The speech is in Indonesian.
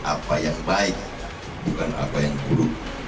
apa yang baik bukan apa yang buruk